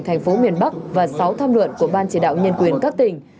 thành phố miền bắc và sáu tham luận của ban chỉ đạo nhân quyền các tỉnh